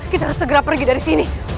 kita harus segera pergi dari sini